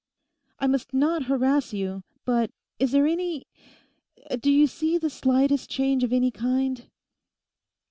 I must not harass you; but is there any—do you see the slightest change of any kind?